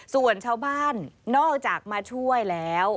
ส่วนชาวบ้านนอกจากมาช่วยแล้ว